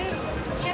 terima kasih pak